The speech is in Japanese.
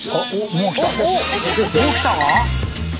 もう来たか！